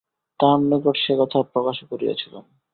তাঁহার নিকট সে কথা প্রকাশও করিয়াছিলাম।